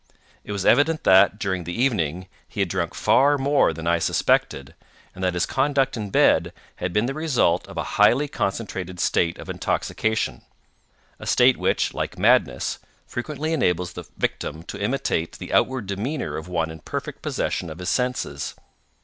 It was evident that, during the evening, he had drunk far more than I suspected, and that his conduct in bed had been the result of a highly concentrated state of intoxication—a state which, like madness, frequently enables the victim to imitate the outward demeanour of one in perfect possession of his senses.